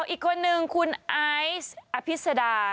อีกคนนึงคุณไอซ์อภิษดา